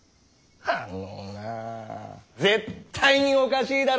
あのなぁ絶対におかしいだろ！